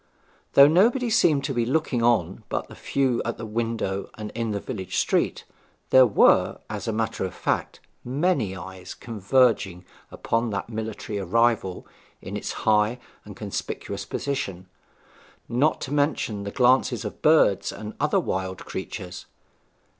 Though nobody seemed to be looking on but the few at the window and in the village street, there were, as a matter of fact, many eyes converging upon that military arrival in its high and conspicuous position, not to mention the glances of birds and other wild creatures.